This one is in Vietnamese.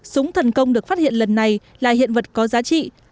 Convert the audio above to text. súng thần công được phát hiện lần này là hiện vật có giá trị